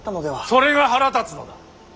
それが腹立つのだ。